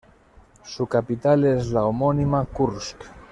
Su capital es la homónima Kursk.